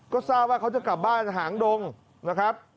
ก็ทราบว่าเขาจะกลับบ้านหางดงนะครับ